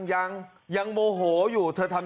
เอาก่อนบ้านไปติ๊บค่า